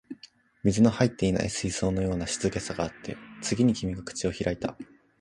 水の入っていない水槽のような静けさがあって、次に君が口を開いた